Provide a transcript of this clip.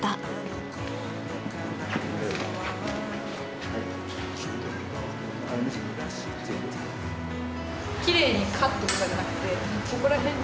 きれいにカットとかじゃなくてここら辺。